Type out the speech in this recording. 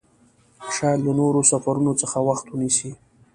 شاید له نورو سفرونو څخه وخت ونیسي.